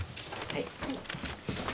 はい。